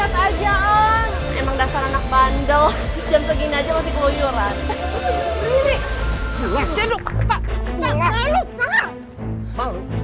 ya gue seneng